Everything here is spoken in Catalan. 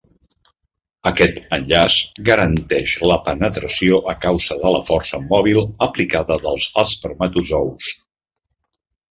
Aquest "enllaç" garanteix la penetració a causa de la força mòbil aplicada dels espermatozous.